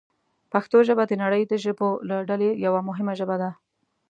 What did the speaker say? پښتو ژبه د نړۍ د ژبو له ډلې یوه مهمه ژبه ده.